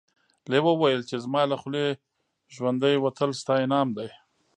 لیوه وویل چې زما له خولې ژوندی وتل ستا انعام دی.